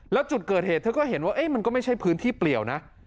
แล้วจุดเกิดเหตุเธอก็เห็นว่ามันก็ไม่ใช่พื้นที่เปลี่ยวนะ